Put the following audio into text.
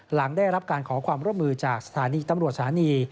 หลังได้รับการขอความร่วมมือจากสถานีตำรวจสถานี